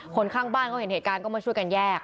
ข้างบ้านเขาเห็นเหตุการณ์ก็มาช่วยกันแยก